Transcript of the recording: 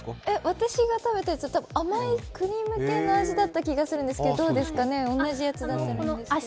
私が食べたやつは甘いクリーム系だった気がするんですけどどうですかね、同じやつだと思うんですけれども。